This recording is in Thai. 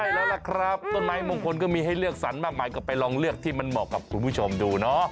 ใช่แล้วล่ะครับต้นไม้มงคลก็มีให้เลือกสรรมากมายก็ไปลองเลือกที่มันเหมาะกับคุณผู้ชมดูเนาะ